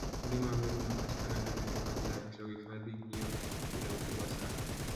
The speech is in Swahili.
Mlima Meru unapatikana ndani ya Hifadhi ya Arusha ifadhi hiyo ina ukubwa sana